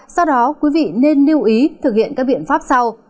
do đó quý vị nên lưu ý thực hiện các biện pháp sau